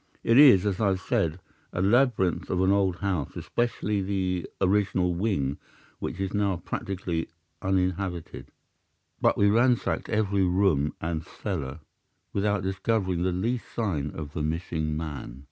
It is, as I have said, a labyrinth of an old house, especially the original wing, which is now practically uninhabited; but we ransacked every room and cellar without discovering the least sign of the missing man.